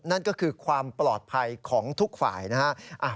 นั่นก็คือความปลอดภัยของทุกฝ่ายนะฮะ